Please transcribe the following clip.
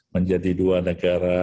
menjadi dua negara